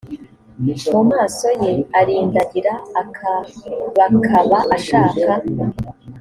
mu maso ye arindagira akabakaba ashaka